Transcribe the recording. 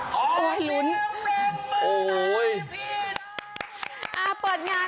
เปิดงานได้เป็นทางการเรียบร้อย